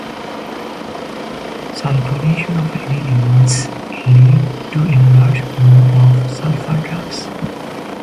Sulfonation of anilines lead to a large group of sulfa drugs.